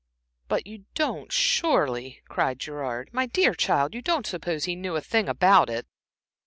"But you don't surely," cried Gerard, "my dear child, you don't suppose he knew a thing about it?"